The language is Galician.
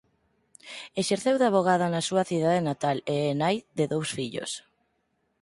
Exerceu de avogada na súa cidade natal e é nai de dous fillos.